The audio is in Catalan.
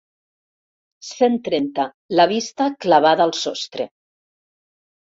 Cent trenta la vista clavada al sostre.